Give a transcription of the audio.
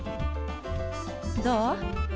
どう？